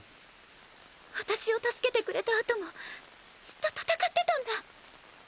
私を助けてくれた後もずっと戦ってたんだ。